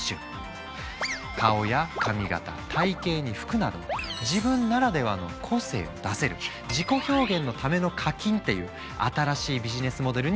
顔や髪形体型に服など自分ならではの個性を出せる自己表現のための課金っていう新しいビジネスモデルになったんだ。